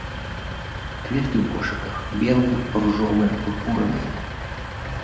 Кветкі ў кошыках белыя, ружовыя, пурпурныя.